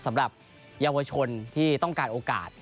สำหรับเยาวชนที่ต้องการโอกาส